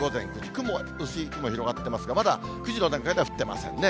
雲、薄い雲広がってますが、まだ９時の段階では降ってませんね。